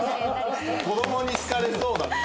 子供に好かれそうだね。